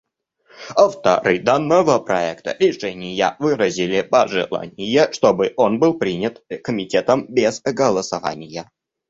Авторы данного проекта решения выразили пожелание, чтобы он был принят Комитетом без голосования.